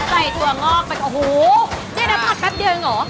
โหใส่ตัวงอกไปโอ้โหได้แล้วทอดแป๊บเดียวหรอ